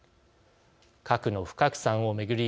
核の不拡散を巡り